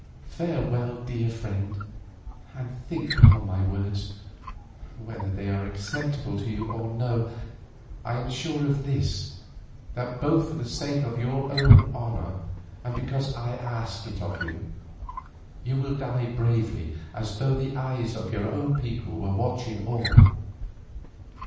Farewell, dear friend, and think upon my words; whether they are acceptable to you or no, I am sure of this, that both for the sake of your own honour and because I ask it of you, you will die bravely as though the eyes of your own people were watching all."